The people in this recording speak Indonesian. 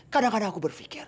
kadang kadang aku berpikir